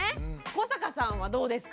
古坂さんはどうですか？